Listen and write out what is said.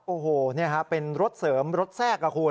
โอ้โหเป็นรถเสริมรถแทรกกับคุณ